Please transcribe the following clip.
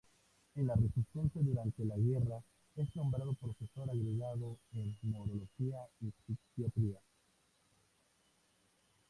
En la Resistencia durante la guerra, es nombrado profesor agregado en neurología y psiquiatría.